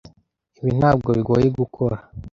Ibi ntabwo bigoye gukora.